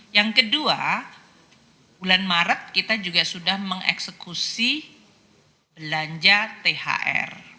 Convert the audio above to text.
yang kedua bulan maret kita juga sudah mengeksekusi belanja thr